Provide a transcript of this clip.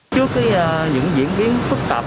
trước những diễn biến phức tạp